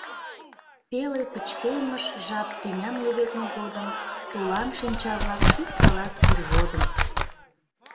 Пеле пычкемыш жап тӱням леведме годым Тулан шинча-влак шӱткалат сур водым.